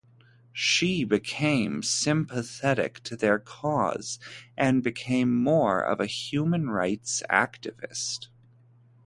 She became sympathetic to their cause and became more of a human rights activist.